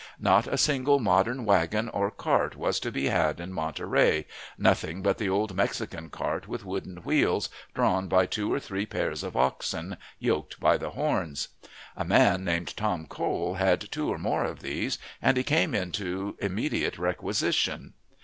Not a single modern wagon or cart was to be had in Monterey, nothing but the old Mexican cart with wooden wheels, drawn by two or three pairs of oxen, yoked by the horns. A man named Tom Cole had two or more of these, and he came into immediate requisition.